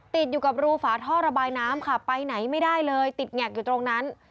ติดอยู่กับรูฝาท่อระบายน้ำค่ะไปไหนไม่ได้เลยติดแงกอยู่ตรงนั้น